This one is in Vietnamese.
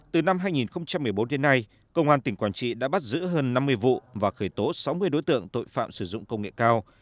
từ năm hai nghìn một mươi bốn đến nay công an tỉnh quảng trị đã bắt giữ hơn năm mươi vụ và khởi tố sáu mươi đối tượng tội phạm sử dụng công nghệ cao